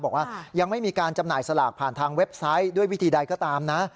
บอกว่ายังไม่มีการจำหน่ายสลากผ่านทางเว็บไซต์ด้วยวิธีใดก็ตามนะ